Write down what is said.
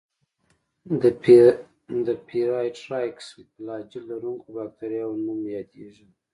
د پېرایټرایکس فلاجیل لرونکو باکتریاوو په نوم یادیږي.